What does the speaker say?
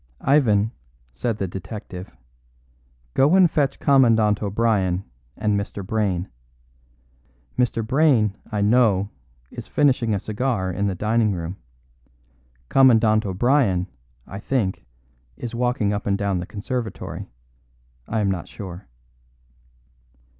"Ivan," said the detective, "go and fetch Commandant O'Brien and Mr. Brayne. Mr. Brayne, I know, is finishing a cigar in the dining room; Commandant O'Brien, I think, is walking up and down the conservatory. I am not sure."